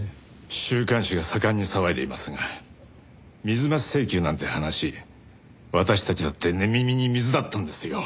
週刊誌が盛んに騒いでいますが水増し請求なんて話私たちだって寝耳に水だったんですよ。